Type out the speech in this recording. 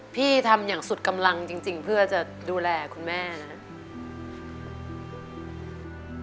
พี่ทำอย่างสุดกำลังจริงเพื่อจะดูแลคุณแม่นะครับ